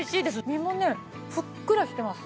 身もねふっくらしてます。